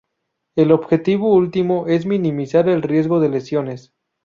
El objetivo último es minimizar el riesgo de lesiones.